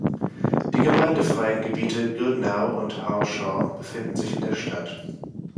Die gemeindefreien Gebiete Goodnow und Harshaw befinden sich in der Stadt.